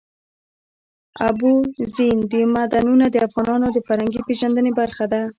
اوبزین معدنونه د افغانانو د فرهنګي پیژندنې برخه ده.